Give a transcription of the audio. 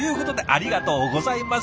ありがとうございます！